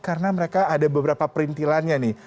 karena mereka ada beberapa perintilannya nih